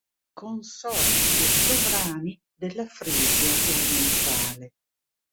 Consorti dei sovrani della Frisia Orientale